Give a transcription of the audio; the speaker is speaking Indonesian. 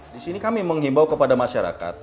di sini kami menghimbau kepada masyarakat